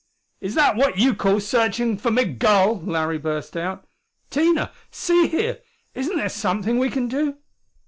"Is that what you call searching for Migul?" Larry burst out. "Tina, see here isn't there something we can do?"